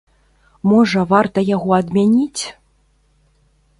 Можа, варта яго адмяніць?